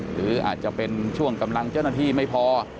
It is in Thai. หรืออาจจะเป็นช่วงกำลังเจ้าหน้าที่ไม่พอ